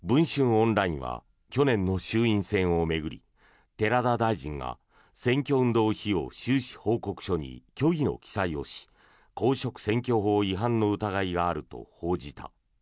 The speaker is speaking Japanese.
オンラインは去年の衆院選を巡り寺田大臣が選挙運動費用収支報告書に虚偽の記載をし公職選挙法違反の疑いがあると報じた。